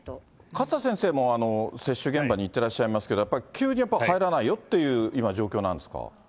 勝田先生も接種現場に行ってらっしゃいますけれども、やっぱり急にやっぱり入らないよっていう今、状況なんですか。